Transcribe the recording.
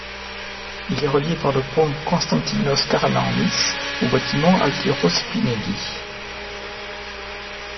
Il est relié par le pont Konstantinos Karamanlis au bâtiment Altiero Spinelli.